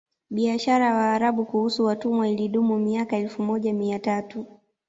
Biashara ya Waarabu kuhusu watumwa ilidumu miaka elfu moja mia tatu